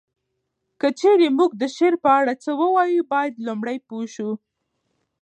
که چیري مونږ د شعر په اړه څه ووایو باید لومړی پوه شو